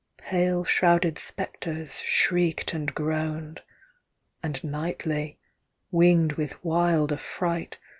Pale shrouded spectres shrieked and groaned ; And nightly, winged with wild affright.